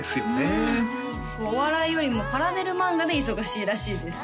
うんお笑いよりもパラデル漫画で忙しいらしいです